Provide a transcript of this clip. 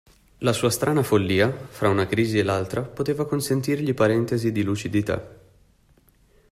La sua strana follia, fra una crisi e l'altra, poteva consentirgli parentesi di lucidità.